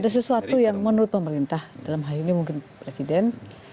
ada sesuatu yang menurut pemerintah dalam hal ini mungkin presiden